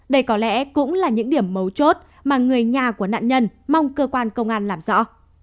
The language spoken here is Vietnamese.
đây có lẽ cũng là những điểm mấu chốt mà người nhà của nạn nhân mong cơ quan công an làm rõ